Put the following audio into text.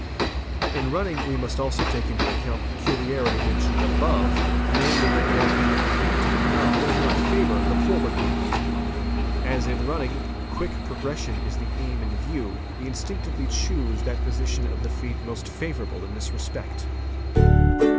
In running we must also take into account the 5 peculiarity mentioned above, namely that walking with the feet turned My out does not favour the forward movement. As in running quick pro — gression is the aim in view, we instinctively choose that position of the : feet most favourable in this respect.